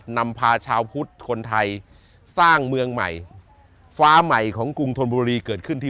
นำพาชาวพุทธคนไทยสร้างเมืองใหม่ฟ้าใหม่ของกรุงธนบุรีเกิดขึ้นที่